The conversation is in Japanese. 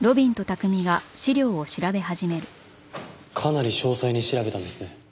かなり詳細に調べたんですね。